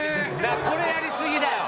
これやりすぎだよ」